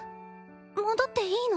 戻っていいの？